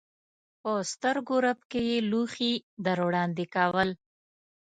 په سترګو رپ کې یې لوښي در وړاندې کول.